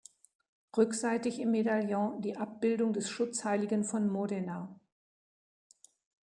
Rückseitig im Medaillon die Abbildung des Schutzheiligen von Modena.